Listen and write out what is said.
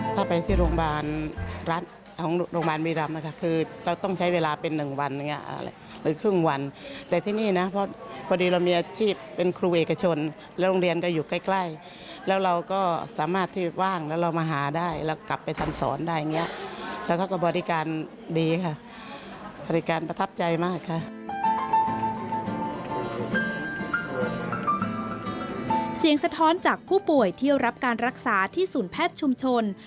สะท้อนจากผู้ป่วยที่รับการรักษาที่ศูนย์แพทย์ชุมชน